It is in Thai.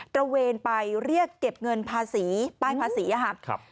ระเวนไปเรียกเก็บเงินภาษีป้ายภาษีค่ะ